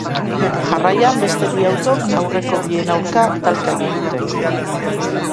Jarraian beste bi autok aurreko bien aurka talka egin dute.